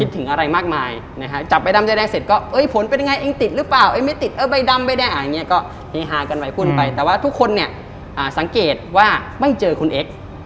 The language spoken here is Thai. แต่ว่าทุกคนเนี่ยสังเกตว่าไม่เจอคุณเอ็กซ์